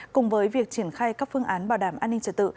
cùng với việc triển khai các phương án bảo đảm an ninh trật tự